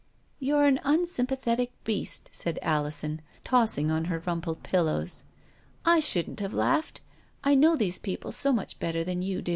"You're an unsympathetic beast," said Alison, tossing on her rumpled pillows. " I shouldn't have laughed. I know these people so much better than you do."